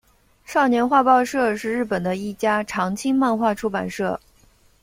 少年画报社是日本的一家长青漫画出版社。